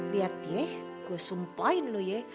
lihat ya gue sumpahin lo ya